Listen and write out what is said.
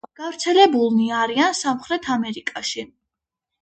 გავრცელებულნი არიან სამხრეთ ამერიკაში.